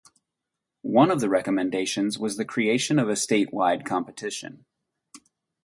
One of the recommendations was the creation of a statewide competition.